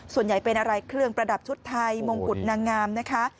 ส่วนใหญ่เป็นอะไรเครื่องประดับชุดไทยมงกุฎนางงามนะคะ